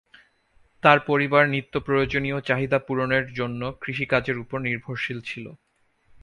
তার পরিবার নিত্যপ্রয়োজনীয় চাহিদা পূরণের জন্য কৃষিকাজের ওপর নির্ভরশীল ছিল।